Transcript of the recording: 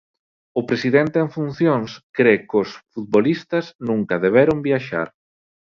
O presidente en funcións cre que os futbolistas nunca deberon viaxar.